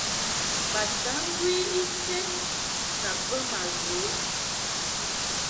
Bataŋgwi ited ka bə ma ghə.